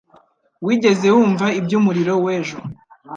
Wigeze wumva iby'umuriro w'ejo